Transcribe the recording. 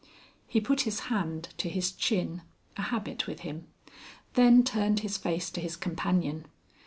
He put his hand to his chin a habit with him. Then turned his face to his companion.